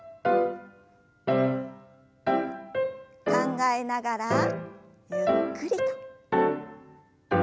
考えながらゆっくりと。